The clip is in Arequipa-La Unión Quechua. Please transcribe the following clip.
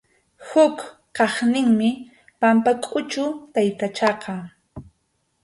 Huk kaqninmi Pampakʼuchu taytachaqa.